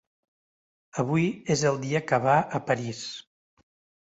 Avui és el dia que va a París.